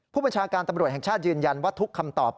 ผู้บัญชาการตำรวจแห่งชาติยืนยันว่าทุกคำตอบ